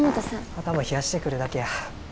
頭冷やしてくるだけや。